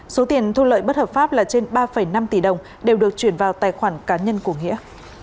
số tiền thu lợi bất hợp pháp là trên ba năm tỷ đồng đều được chuyển vào tài khoản cá nhân của nghĩa